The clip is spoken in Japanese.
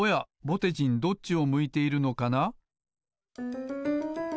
ぼてじんどっちを向いているのかな？